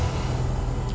bisa kita bicarakan dong